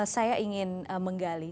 saya ingin menggali